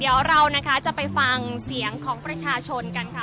เดี๋ยวเรานะคะจะไปฟังเสียงของประชาชนกันค่ะ